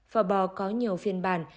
phở bò có nhiều phiên bản